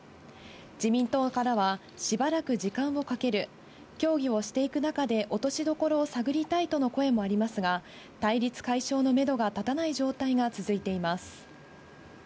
自民党からは、しばらく時間をかける、協議をしていく中で落としどころを探りたいとの声もありますが、対立解消のメドが立たない状態が続いています。